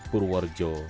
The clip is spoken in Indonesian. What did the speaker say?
purworejo jawa tengah